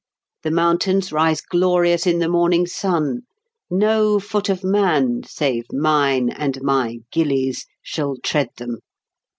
The mountains rise glorious in the morning sun; no foot of man, save mine and my gillies', shall tread them.